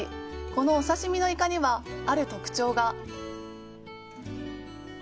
このお刺身のイカには、ある特徴が。